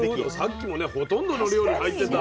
さっきもねほとんどの料理に入ってた。